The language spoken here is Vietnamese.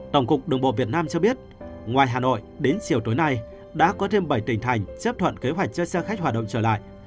tổng cục đường bộ việt nam cho biết ngoài hà nội đến chiều tối nay đã có thêm bảy tỉnh thành chấp thuận kế hoạch cho xe khách hoạt động trở lại